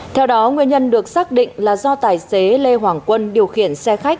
theo đó nguyên nhân được xác định là do tài xế lê hoàng quân điều khiển xe khách